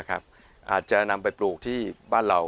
อาจจะนำไปปลูกที่บ้านเรา